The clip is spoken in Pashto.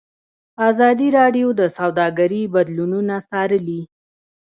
ازادي راډیو د سوداګري بدلونونه څارلي.